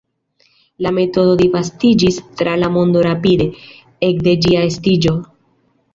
La metodo disvastiĝis tra la mondo rapide, ekde ĝia estiĝo.